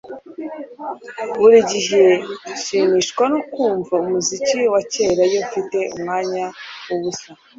Buri gihe nshimishwa no kumva umuziki wa kera iyo mfite umwanya wubusa